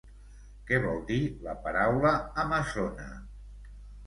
Què vol dir la paraula amazona?